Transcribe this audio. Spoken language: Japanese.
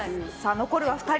残るは２人。